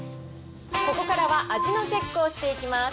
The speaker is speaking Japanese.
ここからは味のチェックをしていきます。